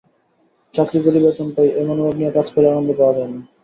চাকরি করি, বেতন পাই—এ মনোভাব নিয়ে কাজ করলে আনন্দ পাওয়া যায় না।